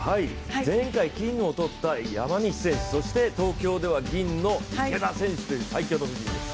前回金を取った山西選手、そして東京では銀の池田選手という最強の布陣です。